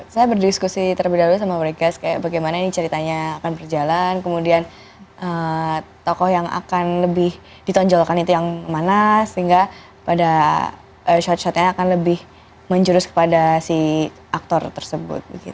saya berdiskusi terlebih dahulu sama mereka bagaimana ini ceritanya akan berjalan kemudian tokoh yang akan lebih ditonjolkan itu yang mana sehingga pada short shotnya akan lebih menjurus kepada si aktor tersebut